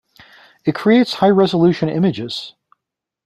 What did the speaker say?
It creates high-resolution images.